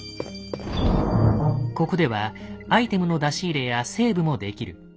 ここではアイテムの出し入れやセーブもできる。